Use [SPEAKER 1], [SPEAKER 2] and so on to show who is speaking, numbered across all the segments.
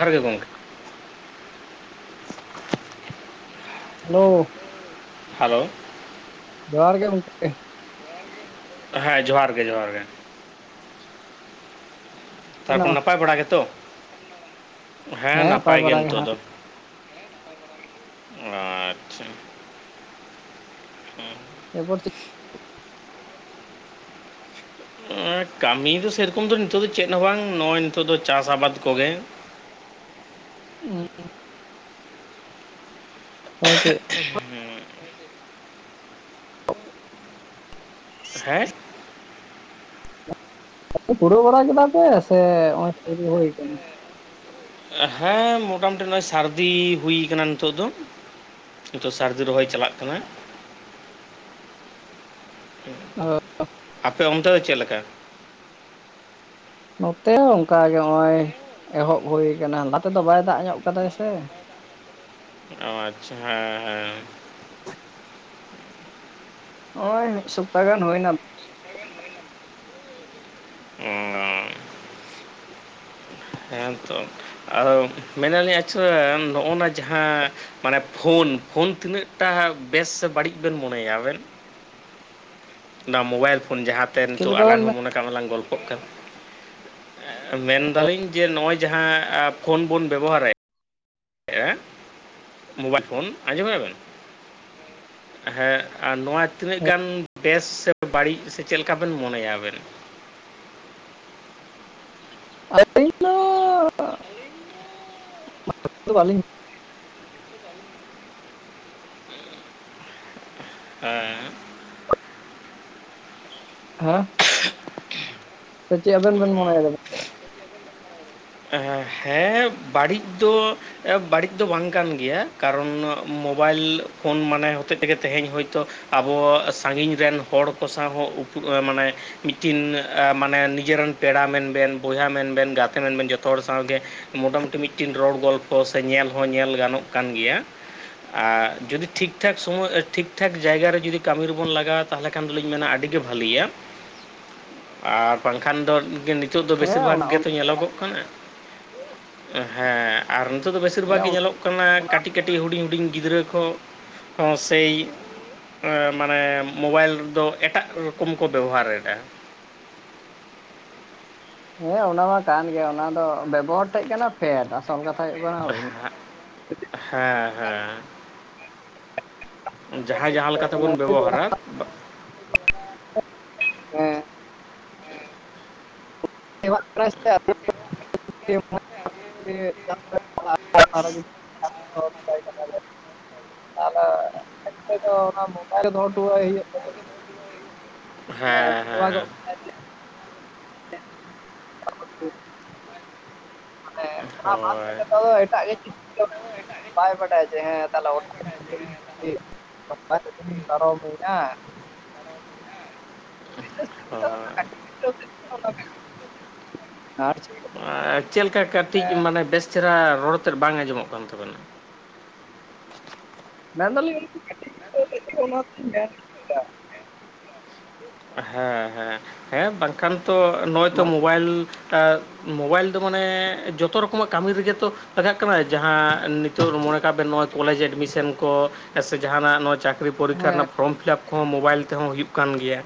[SPEAKER 1] ᱡᱚᱦᱟᱨ ᱜᱮ ᱜᱚᱢᱠᱮ
[SPEAKER 2] ᱦᱮᱞᱳᱣ
[SPEAKER 1] ᱦᱮᱞᱳᱣ
[SPEAKER 2] ᱡᱚᱦᱟᱨ ᱜᱮ ᱜᱚᱢᱠᱮ
[SPEAKER 1] ᱦᱮᱸ ᱡᱚᱦᱟᱨ ᱜᱮ ᱡᱚᱦᱟᱨ ᱜᱮ, ᱛᱟᱨᱯᱚᱨ
[SPEAKER 2] ᱱᱟᱣᱟ
[SPEAKER 1] ᱱᱟᱯᱟᱭ ᱵᱟᱲᱟ ᱜᱮᱛᱚ? ᱦᱮᱸ ᱱᱟᱯᱟᱭ ᱜᱤᱭ
[SPEAKER 2] ᱵᱟᱲᱟ ᱜᱮ
[SPEAKER 1] ᱱᱤᱛᱚᱜ
[SPEAKER 2] ᱦᱟᱸᱜ
[SPEAKER 1] ᱫᱚ᱾ ᱚ ᱟ--ᱪᱷᱟ᱾ ᱦᱩᱼᱼ
[SPEAKER 2] ᱮᱵᱚᱨ ᱪᱮᱫ
[SPEAKER 1] ᱮᱩᱸᱼ ᱠᱟᱢᱤ ᱫᱚ ᱥᱮᱨᱚᱠᱚᱢ ᱫᱚ ᱱᱤᱛᱚᱜ ᱫᱚ ᱪᱮᱫ ᱦᱚᱸ ᱵᱟᱝ ᱱᱚᱜᱼᱚᱭ ᱱᱤᱛᱚᱜ ᱫᱚ ᱪᱟᱥ ᱟᱵᱟᱫ ᱠᱚ ᱜᱮ᱾
[SPEAKER 2] ᱩᱸᱻ ᱟᱫ ᱪᱮᱫ?
[SPEAKER 1] ᱦᱩᱸ ᱦᱮᱜ᱾
[SPEAKER 2] ᱯᱩᱨᱟᱹᱣ ᱵᱟᱲᱟ ᱠᱮᱫᱟ ᱯᱮ ᱥᱮ ᱱᱚᱜᱚᱭ ᱦᱩᱭ ᱠᱟᱱᱟ᱾
[SPEAKER 1] ᱦᱮᱸ ᱢᱩᱴᱟᱢᱩᱴᱤ ᱱᱚᱜᱼᱚᱭ ᱥᱟᱨᱫᱤ ᱦᱩᱭ ᱟᱠᱟᱱᱟ ᱱᱤᱛᱚᱜ ᱫᱚ, ᱱᱤᱛᱚᱜ ᱥᱟᱹᱨᱫᱤ ᱨᱚᱦᱚᱭ ᱪᱟᱞᱟᱜ ᱠᱟᱱᱟ।
[SPEAKER 2] ᱚ।
[SPEAKER 1] ᱟᱯᱮ ᱚᱱᱛᱮ ᱫᱚ ᱪᱮᱫ ᱞᱮᱠᱟ?
[SPEAKER 2] ᱱᱚᱛᱮ ᱦᱚᱸ ᱚᱱᱠᱟ ᱜᱮ। ᱱᱚᱜᱼᱚᱭ ᱮᱦᱚᱵ ᱦᱩᱭᱩ ᱟᱠᱟᱱᱟ। ᱞᱟᱦᱟ ᱛᱮᱫᱚ ᱵᱟᱭ ᱫᱟᱜ ᱧᱚᱜ ᱠᱟᱫᱟᱭ ᱥᱮ।
[SPEAKER 1] ᱟᱪᱷᱟ ᱦᱮᱸ ᱦᱮᱸ।
[SPEAKER 2] ᱱᱚᱜᱼᱚᱭ ᱢᱤᱫ ᱥᱚᱯᱛᱟᱦᱚ ᱜᱟᱱ ᱦᱩᱭ ᱮᱱᱟ।
[SPEAKER 1] ᱚ ᱦᱮᱸ ᱛᱚ। ᱟᱫᱚ ᱢᱮᱱᱟᱞᱤᱧ ᱟᱪᱷᱟ ᱱᱚᱜᱼᱚ ᱱᱟ ᱡᱟᱦᱟᱸ ᱼᱼ ᱢᱟᱱᱮ ᱯᱷᱳᱱ, ᱯᱷᱳᱱ ᱛᱤᱱᱟᱹᱜᱴᱟ ᱵᱮᱥ ᱥᱮ ᱵᱟᱹᱲᱤᱡ ᱵᱮᱱ ᱢᱚᱱᱮᱭᱟ ᱟᱵᱮᱱ? ᱚᱱᱟ ᱢᱳᱵᱟᱭᱤᱞ ᱯᱷᱳᱱ, ᱡᱟᱦᱟᱸᱛᱮ
[SPEAKER 2] ᱪᱮᱫ
[SPEAKER 1] ᱱᱤᱛᱚᱜ
[SPEAKER 2] ᱞᱮᱠᱟ
[SPEAKER 1] ᱟᱞᱟᱝ
[SPEAKER 2] ᱵᱮᱱ
[SPEAKER 1] ᱦᱚᱸ ᱢᱚᱱᱮ ᱠᱟᱜ ᱢᱮ ᱞᱟᱝ ᱜᱚᱞᱯᱚᱜ ᱠᱟᱱᱟ। ᱢᱮᱱᱫᱟᱞᱤᱧ ᱡᱮ ᱱᱚᱜᱼᱚᱭ ᱡᱟᱦᱟᱸ ᱯᱷᱳᱱ ᱵᱚᱱ ᱵᱮᱵᱚᱦᱟᱨᱮᱫ ᱼᱼ ᱢᱳᱵᱟᱭᱤᱞ ᱯᱷᱳᱱ, ᱟᱸᱡᱚᱢᱮᱜᱼᱟ ᱵᱮᱱ?
[SPEAKER 2] [inaudible]
[SPEAKER 1] ᱦᱮᱸ ᱟᱨ ᱱᱚᱣᱟ ᱛᱤᱱᱟᱹᱜ
[SPEAKER 2] ᱦᱮᱸ,
[SPEAKER 1] ᱜᱟᱱ ᱵᱮᱥ, ᱥᱮ ᱵᱟᱹᱲᱤᱡ, ᱥᱮ ᱪᱮᱫ ᱞᱮᱠᱟ ᱵᱮᱱ ᱢᱚᱱᱮᱭᱟ ᱟᱵᱮᱱ?
[SPEAKER 2] [inaudible] ᱛᱚ ᱵᱟᱞᱤᱧ ᱼᱼ
[SPEAKER 1] ᱦᱮᱸ।
[SPEAKER 2] ᱦᱮᱸ, ᱥᱮ ᱪᱮᱫ ᱟᱵᱮᱱ ᱵᱮᱱ ᱢᱚᱱᱮ ᱮᱫᱟ? [inaudible]
[SPEAKER 1] ᱦᱮᱸ, ᱵᱟᱹᱲᱤᱡ ᱫᱚ ᱼᱼ ᱵᱟᱹᱲᱤᱡ ᱫᱚ ᱵᱟᱝ ᱠᱟᱱ ᱜᱮᱭᱟ। ᱠᱟᱨᱚᱱ ᱢᱳᱵᱟᱭᱤᱞ ᱯᱷᱳᱱ ᱢᱟᱱᱮ ᱦᱚᱛᱮᱡ ᱛᱮᱜᱮ ᱛᱮᱦᱮᱧ ᱦᱚᱳᱭᱛᱳ ᱼᱼ ᱟᱵᱚ ᱥᱟᱺᱜᱤᱧ ᱨᱮᱱ ᱦᱚᱲ ᱠᱚ ᱥᱟᱶ ᱦᱚᱸ [unintelligible] ᱢᱟᱱᱮ ᱼᱼ ᱢᱤᱫᱴᱤᱱ ᱢᱟᱱᱮ ᱱᱤᱡᱮᱱ ᱯᱮᱲᱟ ᱢᱮᱱᱵᱮᱱ, ᱵᱚᱭᱦᱟ ᱢᱮᱱᱵᱮᱱ, ᱜᱟᱛᱮ ᱢᱮᱱ ᱵᱮᱱ ᱡᱚᱛ ᱼᱼ ᱡᱚᱛᱚ ᱦᱚᱲ ᱥᱟᱶᱜᱮ ᱢᱳᱴᱟᱢᱩᱴᱤ ᱢᱤᱫᱴᱤᱱ ᱨᱚᱲ ᱜᱚᱞᱯᱷᱚ ᱥᱮ ᱧᱮᱞ ᱦᱚᱸ ᱧᱮᱞ ᱜᱟᱱᱚᱜ ᱠᱟᱱ ᱜᱮᱭᱟ। ᱟᱨ ᱡᱩᱫᱤ ᱴᱷᱤᱠᱼ ᱴᱷᱟᱠ ᱥᱚᱢᱚᱭ ᱴᱷᱤᱠᱼ ᱴᱷᱟᱠ ᱡᱟᱭᱜᱟ ᱨᱮ ᱡᱩᱫᱤ ᱠᱟᱹᱢᱤ ᱨᱮᱵᱚᱱ ᱞᱟᱜᱟᱣᱟ, ᱛᱟᱦᱟᱞᱮ ᱠᱷᱟᱱ ᱫᱚᱞᱤᱧ ᱢᱮᱱᱟ ᱟᱹᱰᱤ ᱜᱮ ᱵᱷᱟᱹᱞᱤᱭᱟ।
[SPEAKER 2] [inaudible]
[SPEAKER 1] ᱟᱨ ᱵᱟᱝᱠᱷᱟᱱ ᱫᱚ ᱱᱤᱛᱚᱜ ᱫᱚ ᱵᱮᱥᱤᱨ
[SPEAKER 2] ᱦᱮᱸ
[SPEAKER 1] ᱵᱷᱟᱜᱽ
[SPEAKER 2] ᱚᱱᱟ ᱚᱱᱟ
[SPEAKER 1] ᱜᱮᱛᱚ ᱧᱮᱞᱚᱜᱚᱜ ᱠᱟᱱᱟ। ᱦᱮᱸ, ᱟᱨ ᱱᱤᱛᱚᱜ ᱫᱚ ᱵᱮᱥᱤᱨ
[SPEAKER 2] ᱦᱮᱸ
[SPEAKER 1] ᱵᱷᱟᱜᱽ ᱜᱮ
[SPEAKER 2] ᱚᱱᱟ
[SPEAKER 1] ᱧᱮᱞᱚᱜ ᱠᱟᱱᱟ
[SPEAKER 2] ᱚᱱᱟ
[SPEAKER 1] ᱠᱟᱹᱴᱤᱡ ᱼᱼ ᱠᱟᱹᱴᱤᱡ ᱦᱩᱰᱤᱧ ᱜᱤᱫᱽᱨᱟᱹ ᱠᱚ ᱦᱚᱸ ᱥᱮ ᱼᱼ ᱚ ᱢᱟᱱᱮ ᱢᱳᱵᱟᱭᱤᱞ ᱫᱚ ᱮᱴᱟᱜ ᱨᱚᱠᱚᱢ ᱠᱚ ᱵᱮᱵᱚᱦᱟᱨᱮᱫᱟ।
[SPEAKER 2] ᱦᱮᱸ ᱚᱱᱟ ᱢᱟ ᱠᱟᱱ ᱜᱮᱭᱟ। ᱚᱱᱟ ᱫᱚ ᱵᱮᱵᱚᱦᱟᱨ ᱴᱷᱮᱡ ᱠᱟᱱᱟ ᱯᱷᱮᱰ। ᱟᱥᱚᱞ ᱠᱟᱛᱷᱟ ᱦᱩᱭᱩᱜ ᱠᱟᱱᱟ ᱦᱩᱭ ᱼᱼ
[SPEAKER 1] ᱦᱮᱸ ᱦᱮᱸ। ᱡᱟᱦᱟᱸᱭ ᱡᱟᱦᱟᱸ ᱛᱮᱵᱚᱱ ᱵᱮᱵᱚᱦᱟᱨᱟ,
[SPEAKER 2] ᱦᱮᱸ। [inaudible] [inaudible] ᱛᱟᱦᱟᱞᱮ ᱟᱢ ᱛᱮ ᱫᱚ ᱚᱱᱟ ᱢᱳᱵᱟᱭᱤᱞ ᱫᱚᱦᱚ ᱦᱚᱴᱚᱣᱟᱭ ᱦᱩᱭᱩᱜ ᱛᱟᱢᱟ। [inaudible]
[SPEAKER 1] ᱦᱮᱸ
[SPEAKER 2] ᱱᱚᱣᱟ ᱜᱮ
[SPEAKER 1] ᱦᱮᱸ।
[SPEAKER 2] [inaudible] ᱢᱟᱱᱮ ᱚᱱᱟ ᱵᱟᱫ
[SPEAKER 1] ᱦᱳᱭ
[SPEAKER 2] ᱠᱟᱛᱮ ᱫᱚ ᱮᱴᱟᱜ ᱜᱮ ᱼᱼ ᱵᱟᱭ ᱵᱟᱰᱟᱭᱟ ᱡᱮ, ᱦᱮᱸ ᱛᱟᱦᱟᱞᱮ [inaudible] ᱯᱟᱨᱚᱢ [inaudible]
[SPEAKER 1] ᱦᱳᱭ। ᱟᱨ ᱪᱮᱫ ᱞᱮᱠᱟ ᱠᱟᱹᱴᱤᱡ ᱢᱟᱱᱮ ᱵᱮᱥ ᱪᱮᱦᱨᱟ ᱨᱚᱲ ᱛᱮᱫ ᱵᱟᱝ ᱟᱸᱡᱚᱢᱚᱜ ᱠᱟᱱ ᱛᱟᱵᱮᱱᱟ।
[SPEAKER 2] ᱢᱮᱱᱫᱟᱞᱤᱧ ᱠᱟᱹᱴᱤᱡ [inaudible]
[SPEAKER 1] ᱦᱮᱸ ᱦᱮᱸ ᱦᱮᱸ ᱵᱟᱝᱠᱷᱟᱱ ᱛᱚ ᱱᱚᱜᱼᱚᱭ ᱛᱚ
[SPEAKER 2] ᱢᱮᱱ
[SPEAKER 1] ᱢᱳᱵᱟᱭᱤᱞ ᱼᱼ ᱢᱳᱚᱵᱟᱭᱤᱞ ᱫᱚ ᱢᱟᱱᱮ, ᱡᱚᱛᱚ ᱨᱚᱠᱚᱢᱟᱜ ᱠᱟᱹᱢᱤ ᱨᱮᱜᱮ ᱛᱚ ᱼᱼ ᱟᱡᱟᱜ ᱠᱟᱱᱟ ᱡᱟᱦᱟᱸ ᱱᱤᱛᱚᱜ ᱢᱚᱱᱮ ᱠᱟᱜ ᱵᱮᱱ ᱱᱚᱜᱼᱚᱭ ᱠᱚᱞᱮᱡᱽ ᱮᱰᱢᱤᱥᱮᱱ ᱠᱚ, ᱥᱮ ᱡᱟᱦᱟᱱᱟᱜ ᱱᱚᱣᱟᱜ ᱪᱟ ᱼᱼ ᱪᱟᱹᱠᱨᱤ ᱯᱚᱨᱤᱠᱷᱟ
[SPEAKER 2] ᱦᱮᱸ
[SPEAKER 1] ᱨᱮᱱᱟᱜ ᱯᱷᱨᱚᱢ ᱯᱷᱤᱞᱟᱯ ᱠᱚ ᱢᱳᱵᱟᱭᱤᱞ ᱛᱮᱦᱚᱸ ᱦᱩᱭᱩᱜ ᱠᱟᱱ ᱜᱮᱭᱟ᱾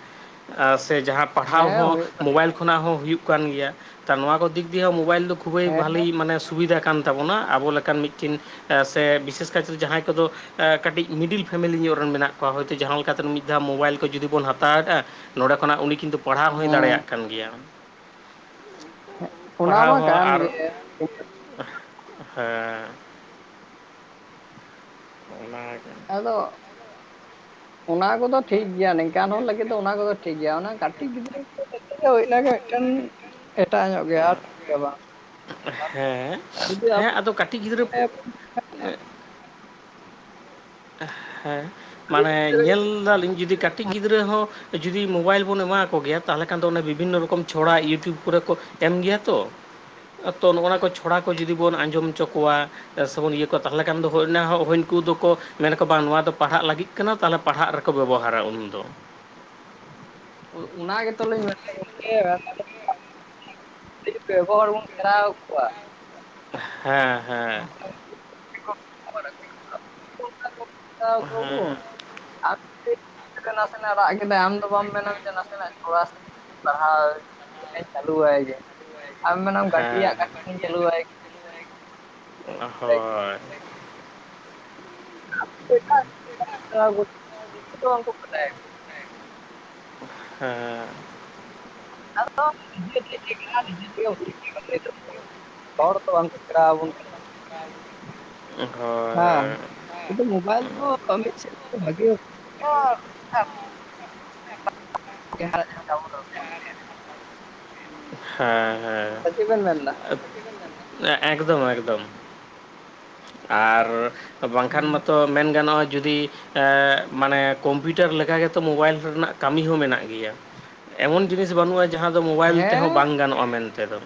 [SPEAKER 1] ᱚᱸ ᱥᱮ ᱡᱟᱦᱟᱸ ᱯᱟᱲᱦᱟᱶ
[SPEAKER 2] ᱦᱮᱸ
[SPEAKER 1] ᱦᱚᱸ
[SPEAKER 2] ᱦᱩᱭᱩᱜ ᱠᱟᱱᱟ
[SPEAKER 1] ᱢᱳᱵᱟᱭᱤᱞᱼᱼ ᱠᱷᱚᱱᱟᱜ ᱦᱩᱭᱩᱜ ᱠᱟᱱ ᱜᱮᱭᱟ ᱱᱚᱣᱟ ᱠᱚ ᱫᱤᱠ ᱫᱤᱭᱮ ᱢᱳᱵᱟᱭᱤᱞ ᱫᱚ
[SPEAKER 2] ᱦᱮᱸ
[SPEAKER 1] ᱵᱷᱟᱞᱤ ᱢᱟᱱᱮ ᱥᱩᱵᱤᱫᱟ ᱠᱟᱱ, ᱛᱟᱵᱚᱱᱟ ᱟᱵᱚ ᱞᱮᱠᱟᱱ ᱢᱤᱫᱴᱤᱱ ᱥᱮ ᱵᱤᱥᱮᱥ ᱠᱟᱭᱛᱮ ᱡᱟᱦᱟᱸᱭ ᱠᱚᱫᱚᱼᱼ ᱠᱟᱹᱴᱤᱡ ᱢᱤᱰᱤᱞ ᱯᱷᱮᱢᱮᱞᱤ ᱧᱚᱜ ᱨᱮᱱ ᱢᱮᱱᱟᱜ ᱠᱚᱣᱟ ᱠᱟᱹᱴᱤᱪ ᱢᱤᱰᱤᱞ ᱯᱷᱮᱢᱮᱞᱤ ᱧᱳᱶ ᱨᱮᱱ ᱢᱮᱱᱟᱜ ᱠᱚᱣᱟ ᱦᱳᱭᱛᱳ ᱡᱟᱦᱟᱸ ᱞᱮᱠᱟᱛᱮ ᱢᱤᱫ ᱫᱷᱟᱣ ᱢᱳᱵᱟᱭᱤᱞ ᱠᱚ ᱡᱩᱫᱤ ᱵᱚᱱ ᱦᱟᱛᱟᱣᱮᱫᱼᱟ ᱦᱟᱛᱟᱣᱮᱫᱼᱟ ᱱᱚᱰᱮ ᱠᱷᱚᱱᱟᱜ ᱩᱱᱤ ᱠᱤᱱ ᱫᱚ ᱯᱟᱲᱦᱟᱣ ᱦᱚᱸᱭ ᱫᱟᱲᱮᱭᱟᱜ ᱠᱟᱱ ᱜᱮᱭᱟ᱾
[SPEAKER 2] ᱦᱮᱸ ᱚᱱᱟ
[SPEAKER 1] ᱯᱟᱲᱦᱟᱣ
[SPEAKER 2] ᱢᱟ
[SPEAKER 1] ᱦᱚᱸ
[SPEAKER 2] ᱠᱟᱱ
[SPEAKER 1] ᱟᱨ
[SPEAKER 2] ᱜᱮ
[SPEAKER 1] ᱦᱮᱸᱼᱼ ᱚᱱᱟ [inaudible]
[SPEAKER 2] ᱟᱫᱚ? ᱚᱱᱟ ᱠᱚᱫᱚ ᱴᱷᱤᱠ ᱜᱮᱭᱟ ᱱᱤᱝᱠᱟᱱ ᱦᱚᱲ ᱞᱟᱹᱜᱤᱫ ᱫᱚ ᱚᱱᱟ ᱠᱚᱫᱚ ᱴᱷᱤᱠ ᱜᱮᱭᱟ ᱚᱱᱟ ᱠᱟᱹᱴᱤᱡ ᱜᱤᱫᱽᱨᱟᱹ ᱠᱚ ᱞᱟᱹᱜᱤᱫ, ᱦᱩᱭ ᱱᱟᱜᱮ ᱢᱤᱫ ᱴᱮᱱ ᱮᱴᱟᱜ ᱧᱚᱜ ᱜᱮᱭᱟ ᱟᱨ ᱜᱮᱭᱟ ᱵᱟᱝ᱾
[SPEAKER 1] ᱦᱮᱸ
[SPEAKER 2] ᱡᱩᱫᱤ
[SPEAKER 1] ᱦᱮᱸ
[SPEAKER 2] ᱟᱯᱮ
[SPEAKER 1] ᱟᱫᱚ ᱠᱟᱹᱴᱤᱡ ᱜᱤᱫᱽᱨᱟᱹ ᱠᱚᱼᱼ ᱦᱮᱸ ᱢᱟᱱᱮ ᱧᱮᱞ ᱫᱟᱞᱤᱧ ᱡᱩᱫᱤ ᱠᱟᱹᱴᱤᱡ ᱜᱤᱫᱽᱨᱟᱹ ᱦᱚᱸᱼᱼ ᱡᱩᱫᱤ ᱢᱳᱵᱟᱭᱤᱞ ᱵᱚᱱ ᱮᱢᱟ ᱠᱚᱜᱮ ᱛᱟᱦᱚᱞ ᱠᱷᱟᱱ ᱫᱚ ᱚᱱᱟ ᱵᱤᱵᱷᱤᱱᱱᱚ ᱨᱚᱠᱚᱢ ᱪᱷᱚᱲᱟ ᱤᱭᱩᱴᱩᱵᱽ ᱠᱚᱨᱮ ᱠᱚᱼᱼ ᱮᱢ ᱜᱮᱭᱟ ᱛᱚ ᱟᱛᱚ ᱱᱚᱜᱟ ᱠᱚ ᱪᱷᱚᱲᱟ ᱠᱚ ᱡᱩᱫᱤ ᱵᱚᱱ ᱟᱸᱡᱚᱢ ᱦᱚᱪᱚ ᱠᱚᱣᱟ᱾ ᱥᱮᱵᱚᱱ ᱤᱭᱟᱹ ᱠᱚᱣᱟ ᱛᱟᱦᱚᱞᱮ ᱠᱷᱟᱱ ᱫᱚᱭ ᱩᱱᱠᱩ ᱫᱚᱠᱚ᱾ ᱢᱮᱱᱟᱠᱚ ᱵᱟᱝ ᱱᱚᱣᱟ ᱫᱚ ᱯᱟᱲᱦᱟᱜ ᱞᱟᱹᱜᱤᱫ ᱠᱟᱱᱟ ᱛᱟᱦᱚᱞᱮ ᱯᱟᱲᱦᱟᱜ ᱨᱮᱠᱚ ᱵᱮᱵᱚᱦᱟᱨᱟ ᱩᱱ ᱫᱚ᱾
[SPEAKER 2] ᱚᱱᱟ ᱜᱮ ᱛᱚ ᱞᱤᱧ ᱢᱮᱱᱫᱟ ᱜᱚᱢᱠᱮ [inaudible] ᱟᱹᱰᱤ ᱵᱮᱚᱜᱚᱦ [inaudible] ᱦᱚᱲ ᱵᱚᱱ ᱥᱮᱬᱟ ᱟ ᱠᱚᱣᱟ
[SPEAKER 1] ᱦᱮᱸ ᱦᱮᱸ᱾
[SPEAKER 2] ᱠᱚ [inaudible] ᱱᱟᱥᱮᱱᱟᱜ ᱨᱟᱜ ᱠᱮᱫᱟᱭ ᱟᱢ ᱫᱚ ᱵᱟᱢ ᱢᱮᱱᱟ ᱱᱟᱥᱮᱱᱟᱜ ᱪᱷᱚᱲᱟ ᱥᱮ ᱯᱟᱲᱦᱟᱣᱼᱼ ᱦᱮᱧ ᱪᱟᱞᱩ ᱵᱟᱲᱟᱭ ᱜᱮ᱾ ᱟᱢ ᱢᱮᱱᱟᱢ ᱜᱟᱹᱰᱤᱭᱟᱜ
[SPEAKER 1] ᱦᱮᱸ ᱦᱮᱸ
[SPEAKER 2] ᱠᱟᱴᱷᱟ ᱠᱷᱚᱱᱤᱧ ᱪᱟᱹᱞᱩᱟᱭ [inaudible]
[SPEAKER 1] ᱦᱳᱭ
[SPEAKER 2] ᱠᱚ [inaudible]
[SPEAKER 1] ᱦᱮᱸ᱾
[SPEAKER 2] ᱟ [inaudible] ᱦᱚᱲ ᱫᱚ ᱵᱟᱝᱠᱚ ᱥᱮᱬᱟ ᱟᱵᱚᱱ ᱠᱟᱱᱟ᱾
[SPEAKER 1] ᱥ ᱟ [unintelligible] ᱦᱚᱸ᱾
[SPEAKER 2] ᱦᱮᱸ ᱠᱮᱱᱛᱩ ᱢᱳ ᱵᱟᱭᱤᱞ ᱫᱚ ᱠᱟᱹᱢᱤ ᱥᱮᱪ ᱠᱚ ᱵᱷᱟᱜᱮ ᱚᱸ [inaudible] ᱰᱩᱱ [inaudible]
[SPEAKER 1] ᱦᱮᱸ
[SPEAKER 2] ᱪᱮᱫ ᱵᱮᱱ ᱢᱮᱱᱫᱟ?
[SPEAKER 1] ᱦᱮᱸ ᱮᱠᱫᱚᱢ ᱮᱠᱫᱚᱢ᱾ ᱟᱨ ᱵᱟᱝᱠᱷᱟᱱ ᱢᱟᱛᱚ ᱢᱮᱱ ᱜᱟᱱᱚᱜᱼᱟ ᱡᱩᱫᱤ ᱦᱮᱸ ᱢᱟᱱᱮ ᱠᱚᱢᱯᱤᱭᱩᱴᱟᱨ ᱜᱮ ᱛᱚ ᱢᱳᱵᱟᱭᱤᱞ ᱨᱮᱱᱟᱜ ᱠᱟ. ᱢᱤ ᱦᱚᱸ ᱢᱮᱱᱟᱜ ᱜᱮᱭᱟ᱾ ᱮᱢᱚᱱ ᱡᱤᱱᱤᱥ ᱵᱟᱹᱱᱩᱜᱼᱟ ᱡᱟᱸᱦᱟᱸ ᱫᱚ ᱢᱳᱵᱟᱭᱤᱞ ᱛᱮᱦᱚᱸ
[SPEAKER 2] ᱦᱮᱸ
[SPEAKER 1] ᱵᱟᱝ ᱜᱟᱱᱚᱜᱼᱟ ᱢᱮᱱᱛᱮ ᱫᱚ᱾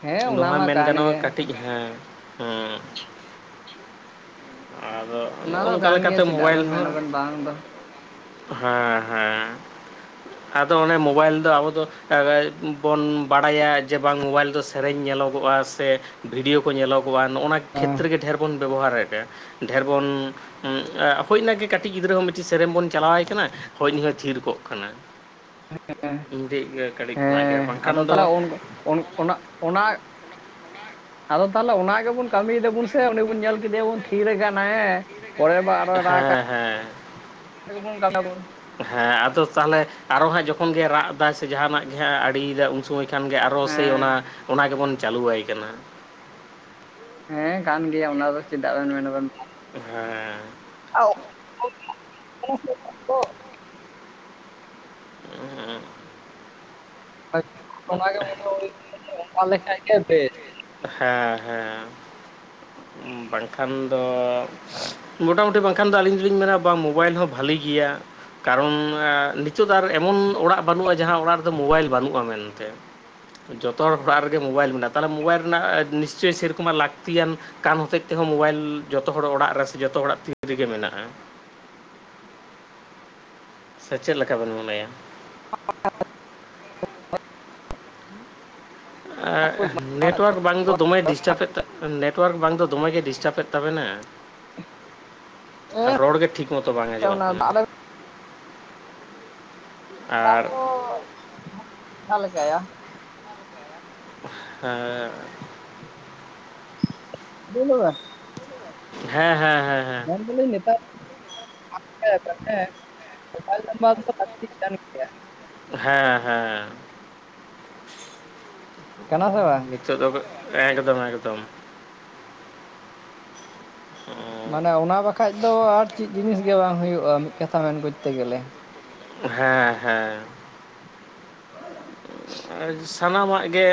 [SPEAKER 2] ᱦᱮᱸ ᱚᱱᱟ
[SPEAKER 1] ᱱᱚᱣᱟᱦᱚᱸ
[SPEAKER 2] ᱢᱟ
[SPEAKER 1] ᱢᱮᱱ
[SPEAKER 2] ᱠᱟᱱ
[SPEAKER 1] ᱜᱟᱱᱚᱜᱼᱟ
[SPEAKER 2] ᱜᱮ
[SPEAKER 1] ᱠᱟᱹᱴᱤᱡ ᱦᱮᱸ ᱦᱚᱸ᱾ ᱟᱫᱚ
[SPEAKER 2] ᱚᱱᱟ
[SPEAKER 1] ᱱᱚᱜᱼᱚ
[SPEAKER 2] ᱫᱚ
[SPEAKER 1] ᱱᱚᱝᱠᱟ
[SPEAKER 2] ᱠᱟᱱ ᱜᱮᱭᱟ
[SPEAKER 1] ᱞᱮᱠᱟᱛᱮ
[SPEAKER 2] ᱪᱮᱫᱟᱜ
[SPEAKER 1] ᱢᱳᱵᱟᱭᱤᱞ
[SPEAKER 2] ᱵᱮᱱ
[SPEAKER 1] ᱦᱚᱸ
[SPEAKER 2] ᱢᱮᱱᱟᱵᱮᱱ ᱵᱟᱝ ᱫᱚ᱾
[SPEAKER 1] ᱦᱮᱸ ᱦᱮᱸ᱾
[SPEAKER 2] [unintelligible]
[SPEAKER 1] ᱟᱫᱚ ᱚᱱᱮ ᱢᱳᱵᱟᱭᱤᱞ ᱫᱚ ᱟᱵᱚ ᱫᱚ [inaudible] ᱵᱚᱱ ᱵᱟᱰᱟᱭᱟ ᱡᱮ ᱵᱟᱝ ᱢᱵᱟᱭᱤᱞ ᱫᱚ ᱥᱮᱨᱮᱧ ᱧᱮᱞᱚᱜᱚᱜᱼᱟ ᱥᱮ ᱵᱷᱤᱰᱭᱳ ᱠᱚ ᱧᱮᱞᱚᱜᱚᱜᱼᱟ ᱱᱚᱜᱼᱟ
[SPEAKER 2] ᱚ
[SPEAKER 1] ᱠᱷᱮᱛᱨᱮ ᱜᱮ ᱰᱷᱮᱨ ᱵᱚᱱ ᱵᱮᱵᱚᱦᱟᱨᱮᱫᱼᱟ᱾ ᱰᱷᱮᱨ ᱵᱚᱱ [inaudible] ᱦᱩᱭᱱᱟ ᱜᱮ ᱠᱟᱹᱴᱤᱡ ᱜᱤᱫᱽᱨᱟᱹ ᱦᱚᱸ ᱢᱤᱫ ᱴᱤ ᱥᱮᱨᱮᱧ ᱵᱚᱱ ᱪᱟᱞᱟᱣᱟᱭ ᱠᱟᱱᱟ ᱦᱤ ᱦᱚᱸ ᱛᱷᱤᱨ ᱠᱚᱜ ᱠᱟᱱᱟᱭ᱾ ᱤᱧ ᱴᱷᱮᱡ ᱜᱮ ᱠᱟᱹᱴᱤᱡ ᱠᱷᱚᱱᱟᱜ ᱜᱮ ᱵᱟᱝᱠᱷᱟᱱ ᱫᱚ
[SPEAKER 2] ᱚᱱ ᱚᱱᱟ ᱚᱱᱟ ᱟᱫᱚ ᱛᱟᱦᱚᱞᱮ ᱚᱱᱟ ᱜᱮᱵᱚᱱ ᱠᱟᱹᱢᱤᱭ ᱫᱟᱵᱚᱱ ᱥᱮ ᱩᱱᱤ ᱵᱚᱱ ᱧᱮᱞ ᱠᱮᱫᱮᱭᱟᱵᱚᱱ ᱛᱷᱤᱨ ᱠᱟᱱᱟ ᱦᱮᱸ᱾ ᱯᱚᱨᱮᱨ ᱟᱵᱟᱨ ᱨᱟᱜᱟ
[SPEAKER 1] ᱦᱮᱸ ᱦᱮᱸ
[SPEAKER 2] [unintelligible] ᱠᱟᱢᱤᱭᱟ ᱵᱚᱱ ᱾
[SPEAKER 1] ᱦᱮᱸ ᱟᱫᱚ ᱛᱟᱦᱚᱞᱮ ᱟᱨᱚ ᱦᱟᱸᱜ ᱡᱚᱠᱷᱚᱱ ᱜᱮᱭ ᱨᱟᱜ ᱮ ᱫᱟᱭ ᱥᱮ ᱡᱟᱦᱟᱱᱟᱜ ᱜᱮ ᱦᱟᱜ ᱟᱲᱤᱭᱮᱫᱟᱭ ᱩᱱ ᱥᱚᱢᱚᱭ ᱠᱷᱟᱱ ᱜᱮ ᱟᱨᱚ ᱥᱮᱭ
[SPEAKER 2] ᱦᱮᱸ
[SPEAKER 1] ᱚᱱᱟ ᱚᱱᱟ ᱜᱮᱵᱚᱱ ᱪᱟᱹᱞᱩᱭᱣᱟᱭ ᱠᱟᱱᱟ᱾
[SPEAKER 2] ᱦᱮᱸ ᱠᱟᱱ ᱜᱮᱭᱟ ᱚᱱᱟ ᱫᱚ ᱪᱮᱫᱟᱜ ᱵᱮᱱ ᱢᱮᱱᱟ ᱵᱮᱱ᱾
[SPEAKER 1] ᱦᱮᱸ᱾
[SPEAKER 2] [inaudible]
[SPEAKER 1] ᱦᱮᱸ ᱦᱩᱸ
[SPEAKER 2] ᱚᱱᱟᱜᱮ ᱢᱚᱱᱮ ᱚᱱᱟ ᱞᱮᱠᱟ ᱜᱮ ᱵᱮᱥ᱾
[SPEAKER 1] ᱦᱮᱸ ᱦᱮᱸ᱾
[SPEAKER 2] [unintelligible]
[SPEAKER 1] ᱵᱟᱲᱠᱷᱟᱱ ᱫᱚ ᱢᱚᱴᱟᱢᱩᱴᱤ ᱵᱟᱝᱠᱷᱟᱱ ᱫᱚ ᱟᱹᱞᱤᱧ ᱫᱚᱞᱤᱧ ᱢᱮᱱᱟ ᱵᱟᱝ ᱢᱳᱵᱟᱭᱤᱞ ᱦᱚᱸ ᱵᱷᱟᱹᱞᱤᱮ ᱜᱮᱭᱟ᱾ ᱠᱟᱨᱚᱱ ᱱᱤᱛᱚᱜ ᱟᱨ ᱮᱢᱚᱱ ᱚᱲᱟᱜ ᱵᱟᱹᱱᱩᱜᱼᱟ ᱡᱟᱦᱟᱸ ᱚᱲᱟᱜ ᱨᱮᱫᱚ ᱢᱳᱵᱟᱭᱤᱞ ᱵᱟᱹᱱᱩᱜᱼᱟ ᱢᱮᱱᱛᱮ᱾ ᱡᱚᱛᱚ ᱦᱚᱲ ᱨᱮᱜᱮ ᱢᱳᱵᱟᱭᱤᱞ ᱢᱮᱱᱟᱜᱼᱟ ᱛᱟᱦᱚᱞᱮ ᱢᱳᱵᱟᱭᱤᱞ ᱨᱮᱱᱟᱜ ᱱᱤᱥᱪᱚᱭ ᱥᱮᱨᱚᱠᱚᱢ ᱞᱟᱹᱠᱛᱤᱭᱟᱱ ᱠᱟᱱ ᱦᱚᱛᱮᱡ ᱛᱮᱦᱚᱸ ᱢᱳᱵᱟᱭᱤᱞ ᱡᱚᱛᱚ ᱦᱚᱲ ᱚᱲᱟᱜ ᱨᱮᱥ ᱡᱚᱛᱚ ᱦᱚᱲᱟᱜ ᱛᱤ ᱨᱮᱜᱮ ᱢᱮᱱᱟᱜᱼᱟ᱾ ᱥᱮ ᱪᱮᱫ ᱞᱮᱠᱟ ᱵᱮᱱ ᱢᱚᱱᱮᱭᱟ?
[SPEAKER 2] [inaudible]
[SPEAKER 1] ᱟᱸ ᱱᱮᱴᱳᱣᱟᱨᱠ ᱵᱟᱝ ᱫᱚ ᱫᱚᱢᱮ ᱰᱤᱥᱴᱟᱵᱽ ᱮᱫ ᱛᱟᱦᱮᱸ ᱱᱮᱴ ᱴᱚᱣᱟᱨᱠ ᱵᱟᱝ ᱫᱚ ᱫᱚᱢᱮᱜᱮ ᱰᱤᱥᱴᱟᱵ ᱮᱫ ᱛᱟᱵᱤᱱᱟ? ᱟᱨ ᱨᱚᱲᱜᱮ ᱴᱷᱤᱠ ᱢᱚᱛᱚ ᱵᱟᱝ ᱟᱸᱡᱚᱢᱚᱜ
[SPEAKER 2] ᱚᱱᱟ ᱫᱚ
[SPEAKER 1] ᱠᱟᱱᱟ᱾
[SPEAKER 2] ᱟᱫᱚ [unintelligible]
[SPEAKER 1] ᱟᱨ
[SPEAKER 2] ᱟᱵᱚ ᱡᱟᱦᱟᱸ ᱞᱮᱠᱟᱭᱟ᱾
[SPEAKER 1] ᱦᱮᱸ᱾
[SPEAKER 2] [unintelligible]
[SPEAKER 1] ᱦᱮᱸ ᱦᱮᱸ ᱦᱮᱸ ᱦᱮᱸ᱾
[SPEAKER 2] ᱫᱚ ᱵᱚᱞᱮ ᱱᱮᱛᱟᱨ [inaudible] ᱵᱟᱹᱲᱛᱤᱜ ᱠᱟᱱ ᱜᱮᱭᱟ᱾
[SPEAKER 1] ᱦᱮᱸ ᱦᱮᱸ᱾
[SPEAKER 2] ᱠᱟᱱᱟ ᱥᱮ ᱵᱟᱝ᱾
[SPEAKER 1] [unintelligible] ᱮᱠᱫᱚᱢ ᱮᱠᱫᱚᱢ᱾ [unintelligible]
[SPEAKER 2] ᱢᱟᱱᱮ ᱚᱱᱟ ᱵᱟᱠᱷᱟᱡ ᱫᱚ ᱟᱨ ᱪᱮᱫ ᱡᱤᱱᱤᱥ ᱜᱮ ᱵᱟᱝ ᱦᱩᱭᱩᱜᱼᱟ ᱢᱤᱫ ᱠᱟᱛᱷᱟ ᱢᱮᱱ ᱜᱚᱡᱛᱮ ᱜᱮᱞᱮ᱾
[SPEAKER 1] ᱦᱮᱸ ᱦᱮᱸ᱾ ᱥᱟᱱᱟᱢᱟᱜ ᱜᱮ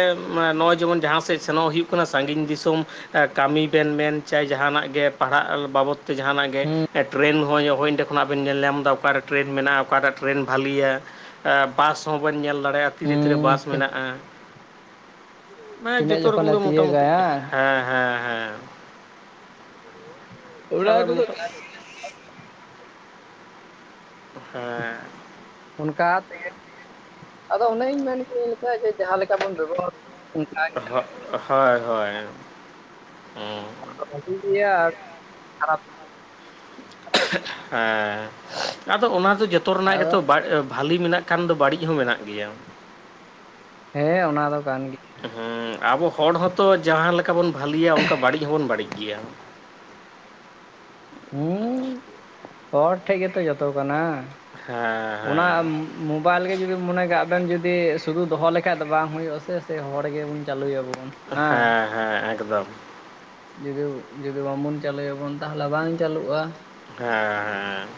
[SPEAKER 1] ᱱᱚᱜᱼᱚᱭ ᱡᱮᱢᱚᱱ ᱡᱟᱦᱟᱸ ᱥᱮᱫ ᱥᱮᱱᱚᱜ ᱦᱩᱭᱩᱜ ᱠᱟᱱᱟ ᱥᱟᱺᱜᱤᱧ ᱫᱤᱥᱚᱢ ᱠᱟᱹᱢᱤ ᱵᱮᱱ ᱢᱮᱱ ᱪᱟᱭ ᱡᱟᱦᱟᱱᱟᱜ ᱜᱮ ᱯᱟᱲᱦᱟᱜ ᱵᱟᱵᱚᱫ ᱛᱮ ᱡᱟᱦᱟᱱᱟᱜ ᱜᱮ
[SPEAKER 2] ᱦᱩᱸ
[SPEAKER 1] ᱴᱨᱮᱱ ᱦᱚᱸᱜ ᱦᱚᱜᱼᱰᱮ ᱠᱷᱚᱱᱟᱜ ᱵᱮᱱ ᱧᱮᱞ ᱧᱟᱢ ᱮᱫᱟ ᱚᱠᱟᱴᱟᱜ ᱴᱮᱨᱮᱱ ᱢᱮᱱᱟᱜᱼᱟ ᱚᱠᱟᱴᱟᱜ ᱴᱮᱨᱮᱱ ᱵᱷᱟᱹᱞᱤᱭᱟ ᱵᱟᱥ ᱦᱚᱸᱵᱚᱱ ᱧᱮᱞ ᱫᱟᱲᱮᱭᱟᱜᱼᱟ ᱛᱤᱨᱮ ᱛᱤᱨᱮ
[SPEAKER 2] ᱦᱩᱸ
[SPEAKER 1] ᱵᱟᱥ
[SPEAKER 2] ᱛᱤ-
[SPEAKER 1] ᱢᱮᱱᱟᱜᱼᱟ᱾ ᱢᱟᱱᱮ
[SPEAKER 2] ᱛᱤᱱᱟᱹᱜ
[SPEAKER 1] ᱡᱚᱛᱚ
[SPEAKER 2] ᱡᱚᱠᱷᱚᱱᱮ
[SPEAKER 1] ᱨᱚᱠᱚᱢ ᱜᱮ
[SPEAKER 2] ᱛᱤᱭᱟᱹᱜᱟ
[SPEAKER 1] ᱢᱚᱴᱟᱢᱩᱴᱤ
[SPEAKER 2] ᱦᱟᱝ?
[SPEAKER 1] ᱦᱮᱸ ᱦᱮᱸ ᱦᱮᱸ᱾ ᱛᱟᱦᱚᱞᱮ ᱢᱚᱴᱟ
[SPEAKER 2] [unintelligible]
[SPEAKER 1] ᱦᱮᱸ,
[SPEAKER 2] ᱚᱱᱠᱟ ᱛᱮᱜᱮ ᱟᱫᱚ ᱚᱱᱮᱧ ᱢᱮᱱ ᱠᱮᱜ ᱞᱮᱠᱟ ᱡᱮ ᱡᱟᱦᱟᱸ ᱞᱮᱠᱟ ᱵᱚᱱ ᱵᱮᱵᱚᱦᱟᱨ ᱚᱱᱠᱟ ᱜᱮ ᱟᱵᱚ
[SPEAKER 1] ᱦᱚᱜ ᱦᱳᱭ ᱦᱳᱭ ᱦᱩᱸ,
[SPEAKER 2] ᱵᱷᱟᱜᱤ ᱨᱮᱭᱟ ᱟᱨ ᱠᱷᱟᱨᱟᱯ
[SPEAKER 1] ᱦᱮᱸ ᱟᱫᱚ ᱚᱱᱟ ᱫᱚ ᱡᱚᱛᱚ ᱨᱮᱱᱟᱜ
[SPEAKER 2] ᱟᱫᱚ
[SPEAKER 1] ᱜᱮᱛᱚ ᱵᱟ ᱵᱷᱟᱹᱞᱤ ᱢᱮᱱᱟᱜ ᱠᱷᱟᱱ ᱫᱚ ᱵᱟᱹᱲᱤᱡ ᱦᱚᱸ ᱢᱮᱱᱟᱜ ᱜᱮᱭᱟ᱾
[SPEAKER 2] ᱦᱮᱸ ᱚᱱᱟ ᱫᱚ ᱠᱟᱱ ᱜᱮᱭᱟ,
[SPEAKER 1] ᱦᱮᱸ ᱟᱵᱚ ᱦᱚᱲ ᱦᱚᱸᱛᱚ ᱡᱟᱦᱟᱸ ᱞᱮᱠᱟ ᱵᱚᱱ ᱵᱷᱟᱹᱞᱤᱭᱟ ᱚᱱᱠᱟ ᱵᱟᱹᱲᱤᱡ ᱦᱚᱸᱵᱚᱱ ᱵᱟᱹᱲᱤᱡ ᱜᱮᱭᱟ,
[SPEAKER 2] ᱦᱩᱸ ᱦᱚᱲ ᱴᱷᱮᱡ ᱜᱮᱛᱚ ᱡᱚᱛᱚ ᱠᱟᱱᱟ
[SPEAKER 1] ᱦᱮᱸ
[SPEAKER 2] ᱚᱱᱟ
[SPEAKER 1] ᱦᱮᱸ
[SPEAKER 2] ᱢᱳᱵᱟᱞ ᱜᱮ ᱡᱩᱫᱤ ᱢᱚᱱᱮ ᱠᱟᱜ ᱵᱮᱱ ᱡᱩᱫᱤ ᱥᱩᱫᱩ ᱫᱚᱦᱚ ᱞᱮᱠᱷᱟᱡ ᱫᱚ ᱵᱟᱝ ᱦᱩᱭᱩᱜᱼᱟ ᱥᱮ ᱦᱚᱲ ᱜᱮᱵᱚᱱ ᱪᱟᱹᱞᱩᱭᱟ ᱵᱚᱱ᱾
[SPEAKER 1] ᱦᱮᱸ ᱦᱮᱸ ᱮᱠᱫᱚᱢ᱾
[SPEAKER 2] ᱡᱩᱫᱤ ᱡᱩᱫᱤ ᱵᱟᱵᱚᱱ ᱪᱟᱹᱞᱩᱭᱟ ᱵᱚᱱ ᱛᱟᱦᱚᱞᱮ ᱵᱟᱝ ᱪᱟᱹᱞᱩᱜᱼᱟ।
[SPEAKER 1] ᱦᱮᱸ ᱦᱮᱸ।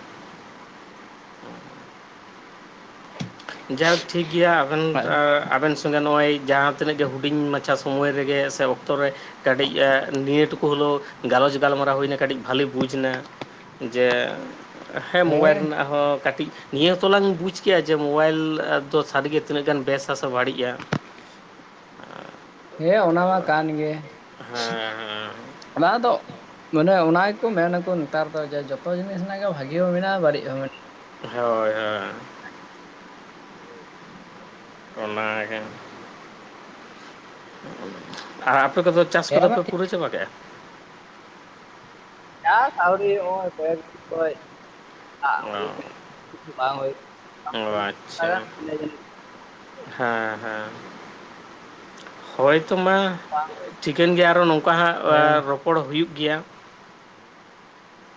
[SPEAKER 1] ᱡᱟᱭᱦᱳᱠ ᱴᱷᱤᱠ ᱜᱮᱭᱟ ᱟᱵᱮᱱ ᱟᱵᱮᱱ ᱥᱚᱸᱜᱮ ᱱᱚᱜᱼᱚᱭ ᱡᱟᱦᱟᱸ ᱛᱤᱱᱟᱹᱜ ᱜᱮ ᱦᱩᱰᱤᱧ ᱢᱟᱪᱷᱟ ᱥᱚᱢᱚᱭ ᱨᱮᱜᱮ, ᱥᱮ ᱚᱠᱛᱚ ᱨᱮ, ᱠᱟᱹᱴᱤᱡ ᱮ ᱱᱤᱭᱟᱹ ᱴᱩᱠᱩ ᱦᱚᱞᱮᱣ ᱜᱟᱞᱚᱪ ᱜᱟᱞᱢᱟᱨᱟᱣ ᱦᱩᱭᱱᱟ, ᱠᱟᱹᱴᱤᱡ ᱵᱷᱟᱹᱞᱤ ᱵᱩᱡᱽᱱᱟ। ᱡᱮ ᱦᱮᱸ ᱢᱳᱵᱟᱭᱤᱞ ᱨᱮᱱᱟᱜ ᱦᱚᱸ ᱠᱟᱹᱴᱤᱡ, ᱱᱤᱭᱟᱹ ᱦᱚᱛᱚ ᱞᱟᱝ ᱵᱩᱡᱽ ᱠᱮᱭᱟ ᱡᱮ ᱢᱳᱵᱟᱭᱤᱞ ᱫᱚ ᱥᱟᱹᱨᱤᱜᱮ ᱛᱤᱱᱟᱹᱜ ᱜᱟᱱ ᱵᱮᱥᱟ ᱥᱮ ᱵᱟᱹᱲᱤᱡᱼᱟ?
[SPEAKER 2] ᱦᱮᱸ, ᱚᱱᱟ ᱢᱟ ᱠᱟᱱ ᱜᱮ।
[SPEAKER 1] ᱦᱮᱸ ᱦᱮᱸ।
[SPEAKER 2] ᱚᱱᱟ ᱫᱚ ᱢᱟᱱᱮ ᱚᱱᱟ ᱜᱮᱠᱚ ᱢᱮᱱᱟᱠᱚ ᱱᱮᱛᱟᱨ ᱫᱚ ᱡᱮ ᱡᱷᱚᱛᱚ ᱡᱤᱱᱤᱥ ᱦᱮᱱᱟᱜ ᱜᱮ ᱵᱷᱟᱹᱜᱤ ᱦᱚᱸ ᱢᱮᱱᱟᱜᱼᱟ ᱵᱟᱹᱲᱤᱡ ᱦᱚᱸ ᱢᱮᱱᱟᱜᱼᱟ।
[SPEAKER 1] ᱦᱳᱭ ᱦᱳᱭ। ᱚᱱᱟᱜᱮ, ᱟᱨ ᱟᱯᱮ ᱫᱚᱯᱮ ᱪᱟᱥ
[SPEAKER 2] ᱦᱮᱸ
[SPEAKER 1] ᱠᱚᱫᱚ
[SPEAKER 2] ᱢᱟ
[SPEAKER 1] ᱯᱮ
[SPEAKER 2] ᱴᱷᱤᱠ
[SPEAKER 1] ᱯᱩᱨᱟᱹ ᱪᱟᱵᱟ ᱠᱮᱜᱼᱟ?
[SPEAKER 2] ᱪᱟᱥ ᱟᱹᱣᱨᱤ ᱦᱚᱸᱜᱼᱚᱭ ᱠᱚᱭᱮᱠ ᱫᱤᱱ ᱠᱷᱚᱡ,
[SPEAKER 1] ᱚ ᱚ ᱟᱪᱪᱷᱟ
[SPEAKER 2] [unintelligible]
[SPEAKER 1] ᱦᱮᱸ ᱦᱮᱸ, ᱦᱚᱭᱛᱚ ᱢᱟ
[SPEAKER 2] [unintelligible]
[SPEAKER 1] ᱪᱤᱠᱟᱹᱱ ᱜᱮᱭᱟ ᱟᱨᱳ ᱱᱚᱝᱠᱟ ᱦᱟᱸᱜ ᱟ
[SPEAKER 2] ᱦᱮᱸ
[SPEAKER 1] ᱨᱚᱯᱚᱲ ᱦᱩᱭᱩᱜ ᱜᱮᱭᱟ।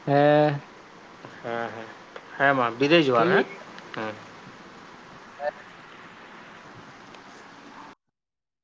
[SPEAKER 2] ᱦᱮᱸ।
[SPEAKER 1] ᱦᱮᱸ ᱦᱮᱸ, ᱦᱮᱸ ᱢᱟ ᱵᱤᱫᱟᱹᱭ ᱡᱚᱦᱟᱨ
[SPEAKER 2] ᱴᱷᱤᱠ
[SPEAKER 1] ᱦᱮᱸ ᱦᱮᱸ।
[SPEAKER 2] [unintelligible]